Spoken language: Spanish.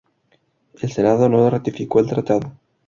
El Senado no ratificó el tratado.